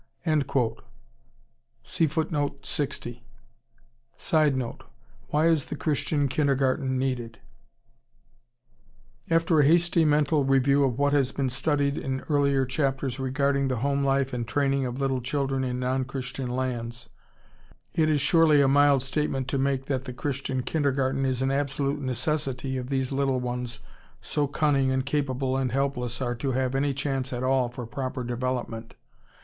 [Sidenote: Why is the Christian kindergarten needed?] After a hasty mental review of what has been studied in earlier chapters regarding the home life and training of little children in non Christian lands, it is surely a mild statement to make that the Christian kindergarten is an absolute necessity if these little ones, so cunning and capable and helpless, are to have any chance at all for proper development.